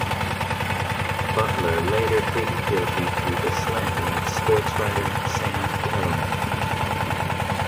Butler later pleaded guilty to the slaying of sportswriter Sam Kellerman.